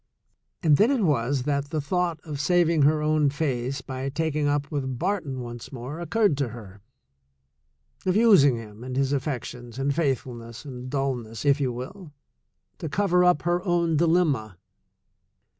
And then it was that the thought of saving her own face by taking up with Barton once more oc curred to her, of using him and his affections and faith fulness and dulness, if you will, to cover up her own dilemma.